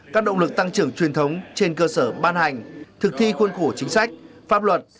các động lực tăng trưởng truyền thống trên cơ sở ban hành thực thi khuôn khổ chính sách pháp luật